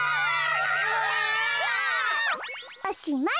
おしまい。